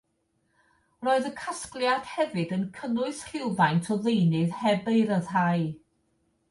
Roedd y casgliad hefyd yn cynnwys rhywfaint o ddeunydd heb ei ryddhau.